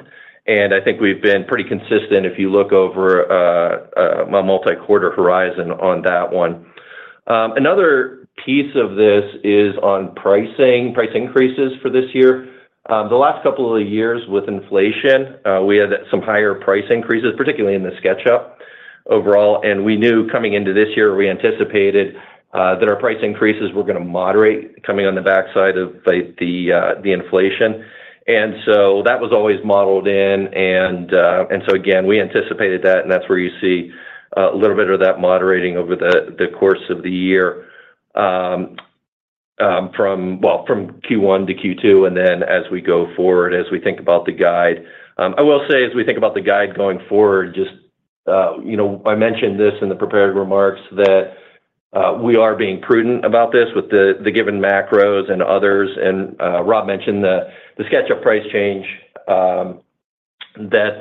and I think we've been pretty consistent if you look over my multi quarter horizon on that one. Another piece of this is on pricing, price increases for this year. The last couple of years with inflation we had some higher price increases, particularly in the SketchUp overall, and we knew coming into this year we anticipated that our price increases were going to moderate coming on the backside of the inflation, and that was always modeled in. Again, we anticipated that, and that's where you see a little bit of that moderating over the course of the year from Q1 to Q2, and then as we go forward, as we think about the guide, I will say as we think about the guide going forward, just, you know, I mentioned this in the prepared remarks that we are being prudent about this with the given macro-economic headwinds and others, and Rob mentioned the SketchUp price change, that,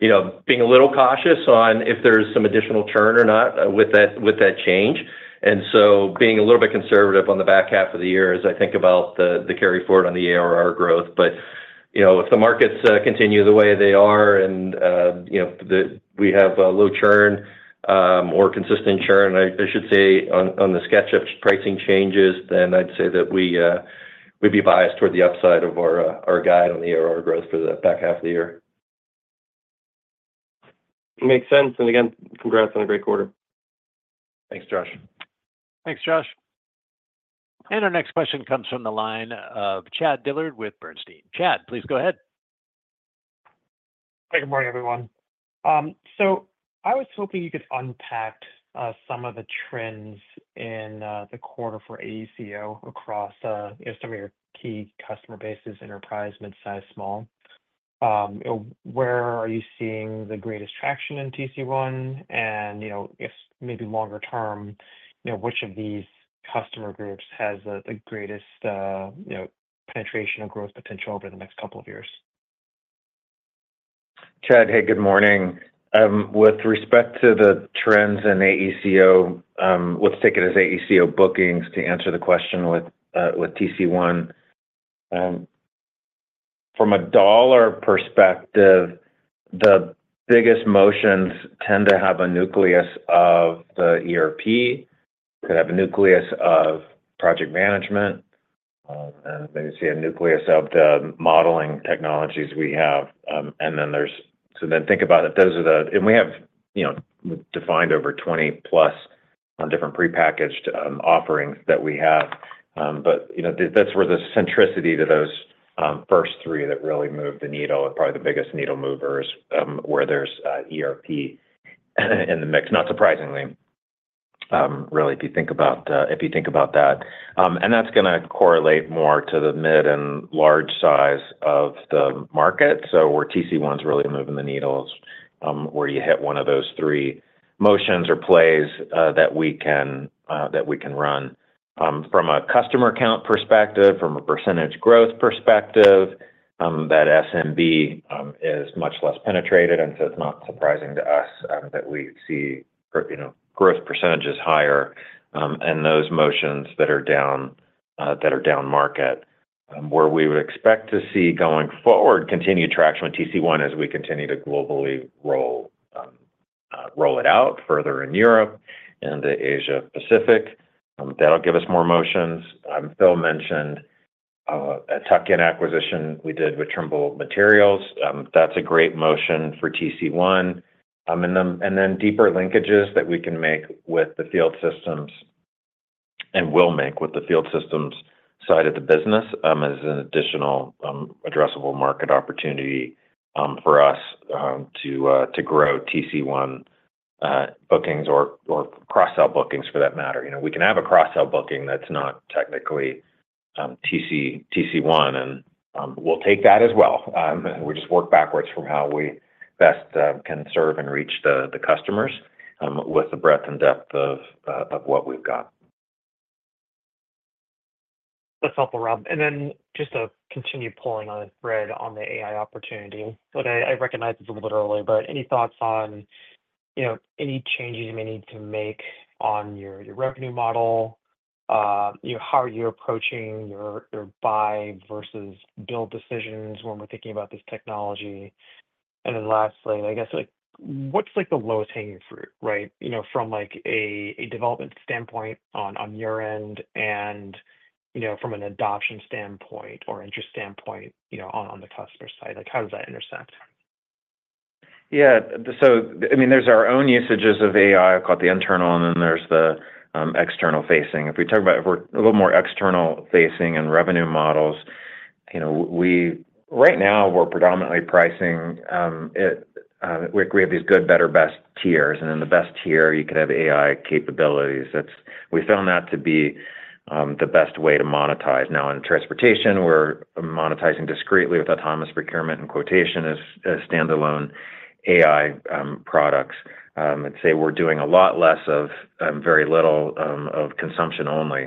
you know, being a little cautious on if there's some additional churn or not with that change, and so being a little bit conservative on the back half of the year as I think about the carry forward on the ARR growth. If the markets continue the way they are and, you know, we have low churn or consistent churn, I should say, on the SketchUp pricing changes, then I'd say that we'd be biased toward the upside of our guide on the ARR growth the back half of the year. Makes sense, and again, congrats on a great quarter. Thanks Josh. Thanks Josh. Our next question comes from the line of Chad Dillard with Bernstein. Chad, please go ahead. Good morning everyone. I was hoping you could unpack some of the trends in the quarter for AECOM across estimated key customer bases enterprise, mid-size, small. Where are you seeing the greatest traction in TC1, and you know, maybe longer-term, you know which of these customers groups has the greatest, you know, penetration of growth potential over the next couple of years? Chad, hey, good morning. With respect to the trends in AECO, let's take it as AECO bookings to answer the question with TC1. From a dollar perspective, the biggest motions tend to have a nucleus of the ERP, could have a nucleus of project management, and maybe see a nucleus of the modeling technologies we have. Then think about if those are the, and we have defined over 20+ different prepackaged offerings that we have. That's where the centricity to those first three really moves the needle and probably the biggest needle movers are where there's ERP in the mix, not surprisingly, if you think about that. That's going to correlate more to the mid and large size of the market. Where TC1's really moving the needle is where you hit one of those three motions or plays that we can run from a customer count perspective, from a percentage growth perspective. That SMB is much less penetrated, and it's not surprising to us that we see growth percentages higher in those motions that are down market, where we would expect to see, going forward, continued traction with TC1 as we continue to globally roll it out further in Europe and the Asia Pacific. That'll give us more motions. Phil mentioned a tuck-in acquisition we did with Trimble Materials. That's a great motion for TC1. Then deeper linkages that we can make with the field systems and will make with the field systems side of the business as an additional addressable market opportunity for us to grow TC1 bookings or cross-sell bookings for that matter. We can have a cross-sell booking that's not technically TC1, and we'll take that as well. We just work backwards from how we best can serve and reach the customers with the breadth and depth of what we've got. That's helpful, Rob. Just to continue pulling on the AI opportunity, I recognize it's a little bit early, but any thoughts on any changes you may need to make on your revenue model? How are you approaching your buy versus build decisions when we're thinking about this technology? Lastly, I guess like what's like the lowest hanging fruit, right? You know, from a development standpoint on your end and you know, from an adoption standpoint or interest standpoint on the customer side, like how does that intersect? Yeah, so I mean there's our own usages of AI, call it the internal, and then there's the external facing. If we talk about it a little more external facing and revenue models, you know we right now we're predominantly pricing it. We have these good, better, best tiers, and in the best tier you could have AI capabilities. That's, we found that to be the best way to monetize. Now in transportation, we're monetizing discreetly with autonomous procurement and quotation as standalone AI products. I'd say we're doing a lot less of, very little of, consumption only.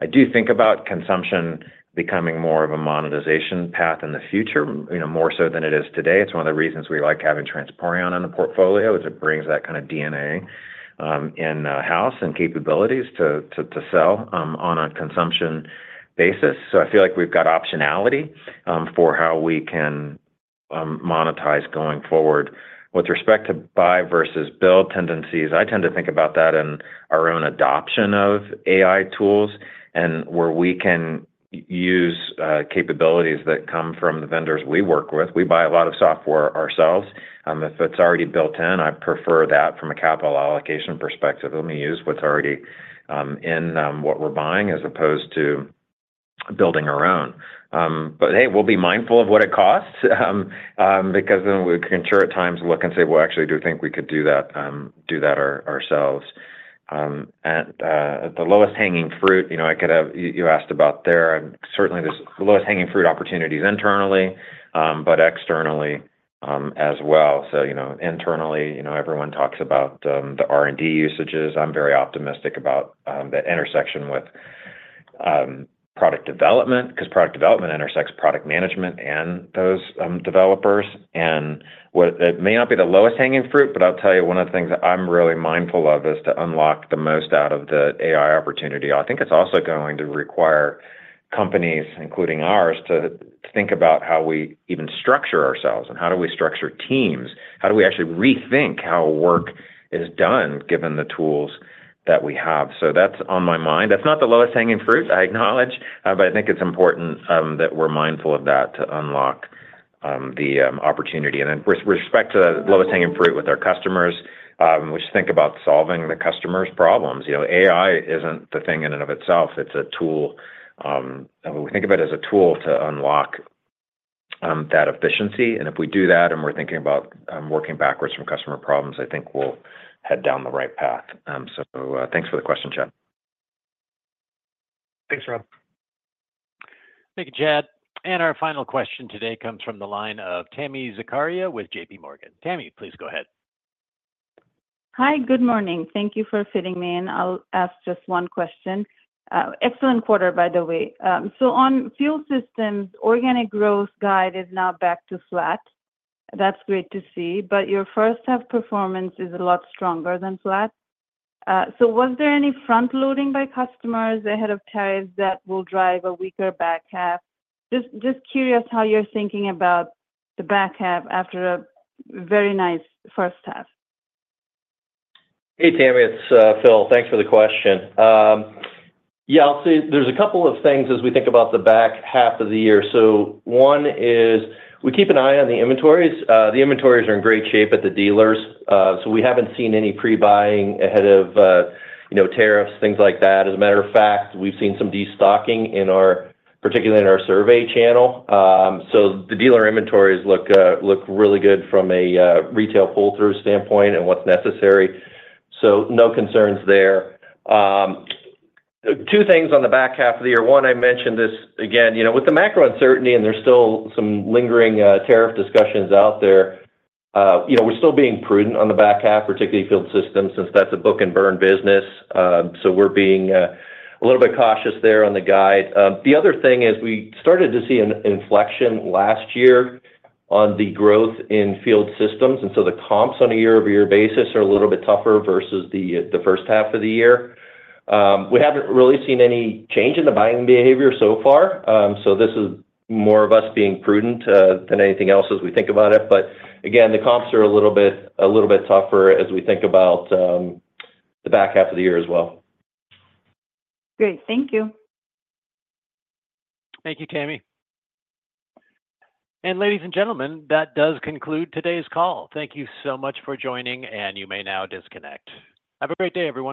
I do think about consumption becoming more of a monetization path in the future, more so than it is today. It's one of the reasons we like having Transporeon on the portfolio, it brings that kind of DNA in house and capabilities to sell on a consumption basis. I feel like we've got optionality for how we can monetize going forward. With respect to buy versus build tendencies, I tend to think about that in our own adoption of AI tools and where we can use capabilities that come from the vendors we work with. We buy a lot of software ourselves if it's already built in. I prefer that from a capital allocation perspective, and we use what's already in what we're buying as opposed to building our own. We will be mindful of what it costs because then we can at times look and say, actually do think we could do that, do that ourselves. The lowest hanging fruit, you know, I could have you asked about there, there is certainly the lowest hanging fruit opportunities internally, but externally as well. Internally, everyone talks about the R&D usages. I'm very optimistic about that intersection with product development because product development intersects product management and those developers, and while it may not be the lowest hanging fruit, I'll tell you, one of the things that I'm really mindful of is to unlock the most out of the AI opportunity. I think it's also going to require companies, including ours, to think about how we even structure ourselves and how do we structure teams, how do we actually rethink how work is done given the tools that we have. That's on my mind. That's not the lowest hanging fruit, I acknowledge, but I think it's important that we're mindful of that to unlock the opportunity. With respect to the lowest hanging fruit with our customers, which think about solving the customer's problems, AI isn't the thing in and of itself, it's a tool. We think of it as a tool to unlock that efficiency. If we do that and we're thinking about working backwards from customer problems, I think we'll head down the right path. Thanks for the question, Chad. Thanks, Rob. Thank you, Chad. Our final question today comes from the line of Tami Zakaria with JP Morgan.Tami, please go ahead. Hi, good morning. Thank you for fitting me in. I'll ask just one question. Excellent quarter, by the way. On fuel systems, organic growth guide is now back to flat. That's great to see. Your first half performance is a lot stronger than flat. Was there any front loading by customers ahead of tariffs that will drive a weaker back half? I'm just curious how you're thinking about the back half after a very nice first half. Hey Tammy, it's Phil. Thanks for the question. There's a couple of things as we think about the back half of the year. One is we keep an eye on the inventories. The inventories are in great shape at the dealers, so we haven't seen any pre-buying ahead of, you know, tariffs, things like that. As a matter of fact, we've seen some destocking, particularly in our survey channel. The dealer inventories look really good from a retail pull-through standpoint and what's necessary. No concerns there. Two things on the back half of the year. One, I mentioned this again, with the macro uncertainty and there's still some lingering tariff discussions out there, we're still being prudent on the back half, particularly field system since that's a book and burn business. We're being a little bit cautious there on the guide. The other thing is we started to see an inflection last year on the growth in field systems, and the comps on a year-over-year basis are a little bit tougher versus the first half of the year. We haven't really seen any change in the buying behavior so far. This is more of us being prudent than anything else as we think about it. The comps are a little bit tougher as we think about the back half of the year as well. Great, thank you. Thank you, Tami. Ladies and gentlemen, that does conclude today's call. Thank you so much for joining and you may now disconnect. Have a great day everyone.